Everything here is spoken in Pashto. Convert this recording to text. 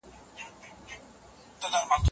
او ترمخ ښکلی ساحل